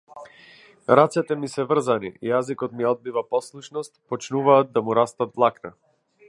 Рацете ми се врзани, јазикот ми одбива послушност, почнуваат да му растат влакна.